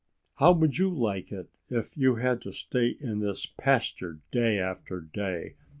"How would you like it if you had to stay in this pasture day after day?"